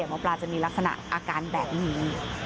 หมอปลาจะมีลักษณะอาการแบบนี้